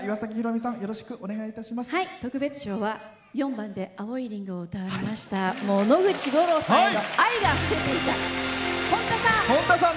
特別賞は４番で「青いリンゴ」を歌われました野口五郎さんへの愛があふれていたほんださん。